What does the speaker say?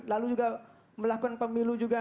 lalu juga melakukan pemilu juga